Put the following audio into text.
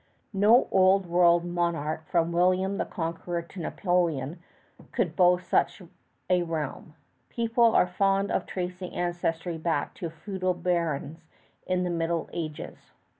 No Old World monarch from William the Conqueror to Napoleon could boast of such a realm. People are fond of tracing ancestry back to feudal barons of the Middle Ages.